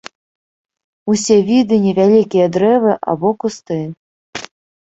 Усе віды невялікія дрэвы або кусты.